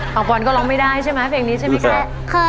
ปอนก็ร้องไม่ได้ใช่ไหมเพลงนี้ใช่ไหมคะ